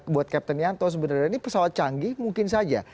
buat captain yanto sebenarnya ini pesawat canggih mungkin saja